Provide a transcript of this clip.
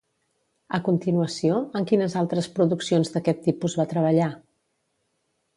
A continuació, en quines altres produccions d'aquest tipus va treballar?